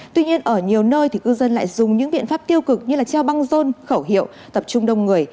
tuy nhiên ở nhiều nơi cư dân lại dùng những biện pháp tiêu cực như treo băng rôn khẩu hiệu tập trung đông người